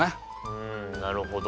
うんなるほど。